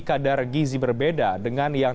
kadar gizi berbeda dengan yang